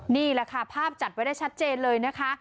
นี่แหละค่ะภาพจัดไว้ได้ชัดเจนเลยนะคะ